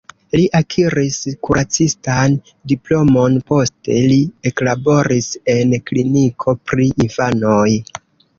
Li akiris kuracistan diplomon, poste li eklaboris en kliniko pri infanoj.